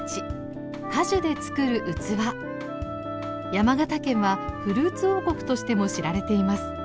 山形県はフルーツ王国としても知られています。